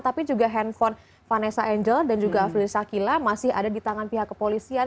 tapi juga handphone vanessa angel dan juga afri sakila masih ada di tangan pihak kepolisian